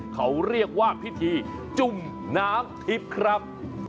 เขาเรียกว่าพิธีจุ่มน้ำทิพย์ครับ